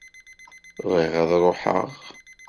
Bɣiɣ ad ruḥeɣ.